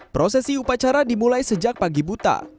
prosesi upacara dimulai sejak pagi buta